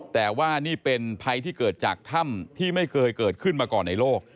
แต่ว่านี่เป็นภัยที่เกิดจากถ้ำที่ไม่เคยเกิดขึ้นมาก่อนในโลก